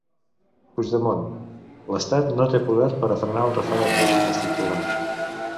Puigdemont: l’estat no té poder per a frenar el referèndum, es titula.